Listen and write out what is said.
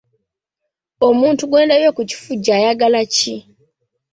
Omuntu gwe ndabye ku kifugi ayagala ki?